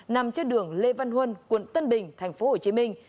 nằm trên đường lê văn huân quận tân bình tp hcm